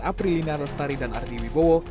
aprilina lestari dan ardi wibowo